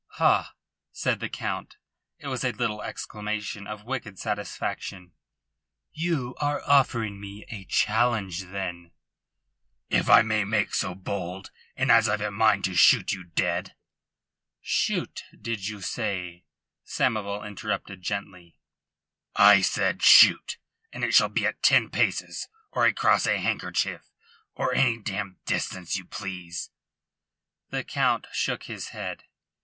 "Ha!" said the Count. It was a little exclamation of wicked satisfaction. "You are offering me a challenge, then?" "If I may make so bold. And as I've a mind to shoot you dead " "Shoot, did you say?" Samoval interrupted gently. "I said 'shoot' and it shall be at ten paces, or across a handkerchief, or any damned distance you please." The Count shook his head.